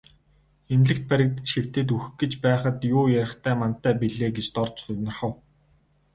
Эмнэлэгт баригдаж хэвтээд үхэх гэж байхад юу ярихтай мантай билээ гэж Дорж тунирхав.